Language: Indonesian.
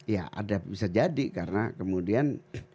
ya ada bisa jadi karena kemudian